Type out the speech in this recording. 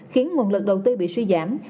khiến nguồn lực đầu tư bị suy giảm